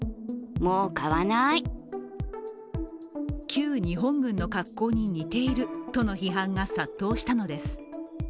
旧日本軍の格好に似ているとの批判が殺到したのです。